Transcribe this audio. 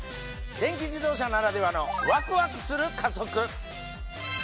電気自動車ならではのワクワクする加速！